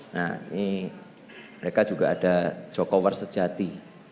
nah ini mereka juga ada jokower sejati